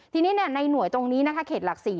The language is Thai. ทีนี้ในหน่วยตรงนี้นะคะเขตหลัก๔